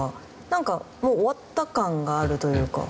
なんかもう終わった感があるというか。